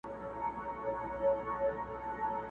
بد ښکارېږم چي وړوکی یم، سلطان یم٫